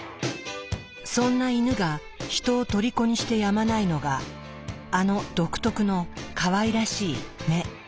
そんなイヌがヒトをとりこにしてやまないのがあの独特のかわいらしい目。